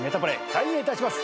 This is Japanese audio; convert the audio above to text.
開演いたします。